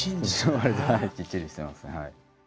わりときっちりしてますね。